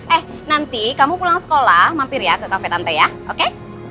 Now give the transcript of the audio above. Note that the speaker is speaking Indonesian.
eh nanti kamu pulang sekolah mampir ya ke kafe tante ya oke